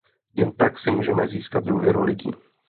Jen tak si můžeme získat důvěru lidí.